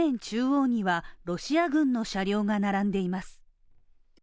中央にはロシア軍の車両が並んでいます。